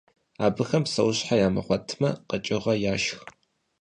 Абыхэм псэущхьэ ямыгъуэтмэ, къэкӏыгъэ яшх.